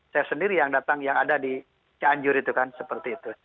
saya sendiri yang datang yang ada di cianjur itu kan seperti itu